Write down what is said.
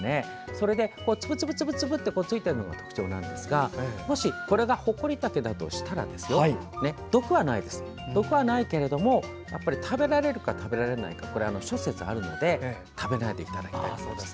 それで、粒々とついているのが特徴なんですがもしこれがホコリタケだとしたら毒はないけれども食べられるか、食べられないかは諸説あるので食べないでいただきたいです。